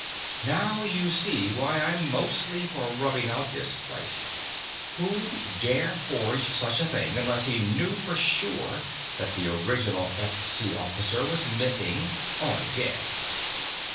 Now you see why I'm mostly for rubbing out this place. Who'd dare forge such a thing unless he knew for sure that the original FC officer was missing ... or dead?"